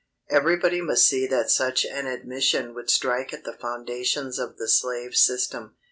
Everybody must see that such an admission would strike at the foundations of the slave system.